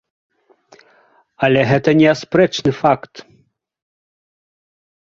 Але гэта неаспрэчны факт.